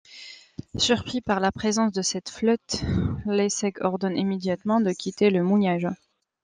Surpris par la présence de cette flotte, Leissègues ordonne immédiatement de quitter le mouillage.